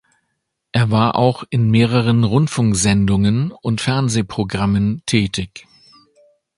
Er war auch in mehreren Rundfunksendungen und Fernsehprogrammen tätig.